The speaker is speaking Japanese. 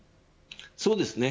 そうですね。